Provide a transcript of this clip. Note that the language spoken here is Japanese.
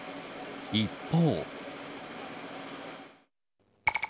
一方。